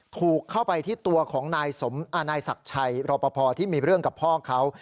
ถูกเข้าไปที่ตัวของนายศักดิ์ชัยรอปภที่มีเรื่องกับพ่อเขา